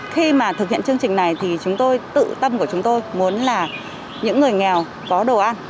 khi mà thực hiện chương trình này thì chúng tôi tự tâm của chúng tôi muốn là những người nghèo có đồ ăn